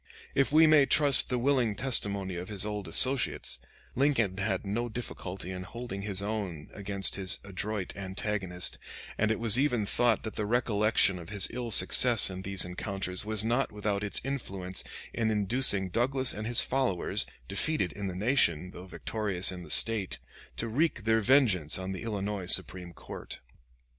If we may trust the willing testimony of his old associates, Lincoln had no difficulty in holding his own against his adroit antagonist, and it was even thought that the recollection of his ill success in these encounters was not without its influence in inducing Douglas and his followers, defeated in the nation, though victorious in the State, to wreak their vengeance on the Illinois Supreme Court.